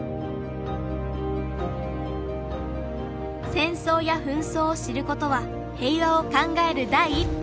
戦争や紛争を知ることは平和を考える第一歩。